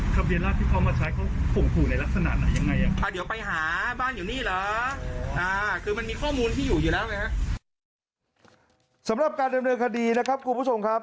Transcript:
สำหรับการดำเนินคดีนะครับคุณผู้ชมครับ